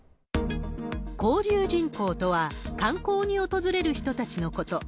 交流人口とは、観光に訪れる人たちのこと。